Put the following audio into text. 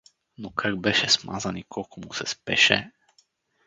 Но как беше смазан и колко му се спеше!